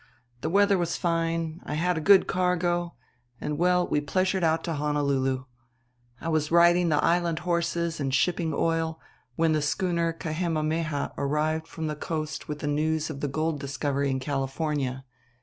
The weather was fine, I had a good cargo, and, well we pleasured out to Honolulu. I was riding the island horses and shipping oil when the schooner Kahemameha arrived from the coast with the news of the gold discovery in California.